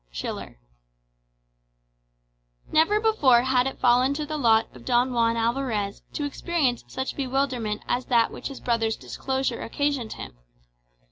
Schiller Never before had it fallen to the lot of Don Juan Alvarez to experience such bewilderment as that which his brother's disclosure occasioned him.